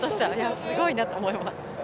すごいなと思います。